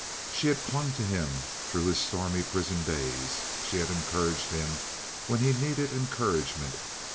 She had clung to him through his stormy prison days. She had encouraged him when he needed encouragement.